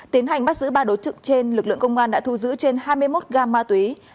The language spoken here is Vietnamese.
tiến hành bắt giữ ba đối tượng trên lực lượng công an đã thu giữ trên hai mươi một gam ma túy